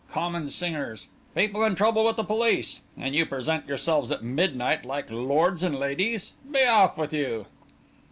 Common singers! People in trouble with the police! And you present yourselves at midnight like lords and ladies? Be off with you!"